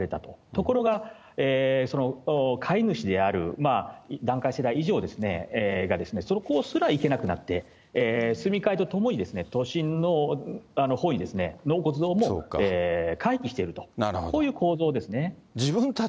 ところが、その借り主である団塊世代以上がそこにすら行けなくなって、住み替えとともに、都心のほうに納骨堂もかいきしていると、こういう構造ですね。